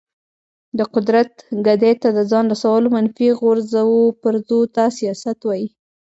د قدرت ګدۍ ته د ځان رسولو منفي غورځو پرځو ته سیاست وایي.